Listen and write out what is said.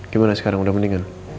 gimana sekarang udah mendingan